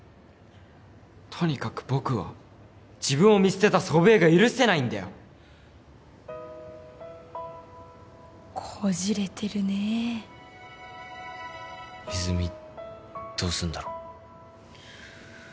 とにかく僕は自分を見捨てた祖父江が許せないんだよこじれてるねえ泉どうすんだろ？